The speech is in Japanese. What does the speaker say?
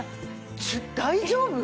大丈夫？